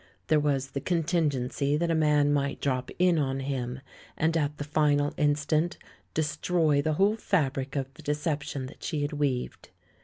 There was the contin gency that a man might drop in on him and at the final instant destroy the whole fabric of the deception that she had weaved.